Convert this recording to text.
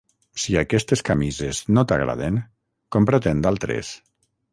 Si aquestes camises no t'agraden, compra-te'n d'altres.